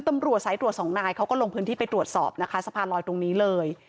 ตำรวจสายตรวจสองนายเขาก็ลงพื้นที่ไปตรวจสอบนะคะสะพานลอยตรงนี้เลย